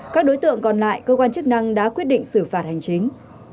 các đối tượng còn lại cơ quan chức năng đã quyết định xử phạt hành chính